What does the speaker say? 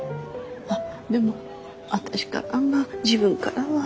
あっでも私からは自分からは。